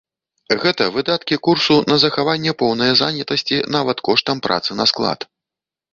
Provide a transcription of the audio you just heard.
Гэта выдаткі курсу на захаванне поўнае занятасці нават коштам працы на склад.